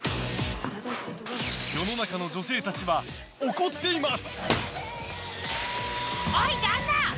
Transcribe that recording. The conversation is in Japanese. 世の中の女性たちは怒っています。